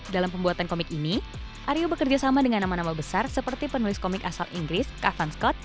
dalam pembuatan komik ini aryo bekerja sama dengan nama nama besar seperti penulis komik asal inggris kavan scott